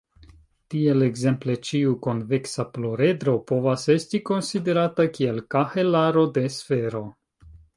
Tiel ekzemple ĉiu konveksa pluredro povas esti konsiderata kiel kahelaro de sfero.